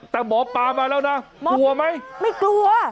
แต่หมอปลามาแล้วนะกลัวไหมไม่กลัว